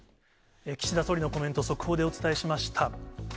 岸田総理のコメント、速報でお伝えしました。